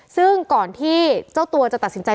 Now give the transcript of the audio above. ซึ่งก่อนที่เจ้าตัวจะตัดสินใจ